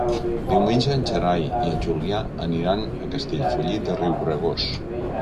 Diumenge en Gerai i en Julià aniran a Castellfollit de Riubregós.